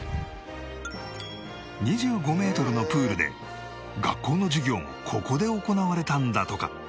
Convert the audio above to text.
２５メートルのプールで学校の授業もここで行われたんだとか